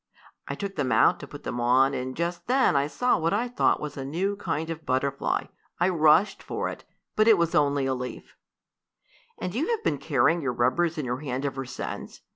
"I took them out, to put them on, and, just then, I saw what I thought was a new kind of butterfly. I rushed for it, but it was only a leaf." "And you have been carrying your rubbers in your hand ever since?"